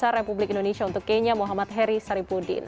duta besar republik indonesia untuk kenya muhammad heri saripudin